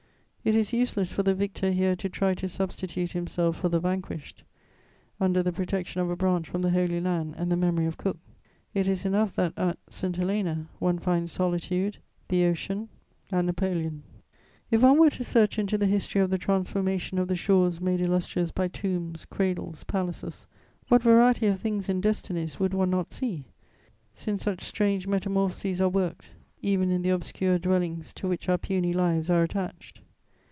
It is useless for the victor here to try to substitute himself for the vanquished, under the protection of a branch from the Holy Land and the memory of Cook; it is enough that, at St. Helena, one finds solitude, the Ocean and Napoleon. If one were to search into the history of the transformation of the shores made illustrious by tombs, cradles, palaces, what variety of things and destinies would one not see, since such strange metamorphoses are worked even in the obscure dwellings to which our puny lives are attached!